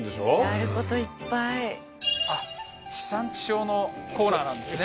やることいっぱいあっ地産地消のコーナーなんですね